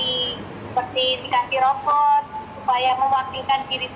seperti dikasih robot supaya mewakilkan diri